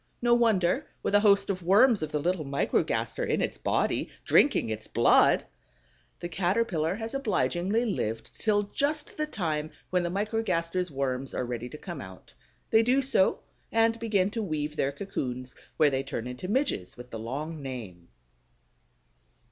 No wonder, with a host of worms of the little Microgaster in its body, drinking its blood! The Caterpillar has obligingly lived till just the time when the Microgaster's worms are ready to come out. They do so, and begin to weave their cocoons, where they turn into Midges with the long name.